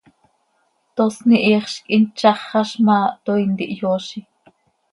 Tosni hiixz quih hin tzaxaz ma, toii ntihyoozi.